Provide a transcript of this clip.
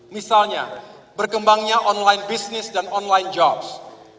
misalnya berkembangnya online bisnis dan online jobs